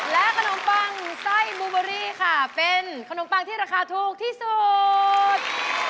และขนมปังไส้บูเบอรี่ค่ะเป็นขนมปังที่ราคาถูกที่สุด